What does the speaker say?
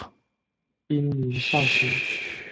滨名孝行。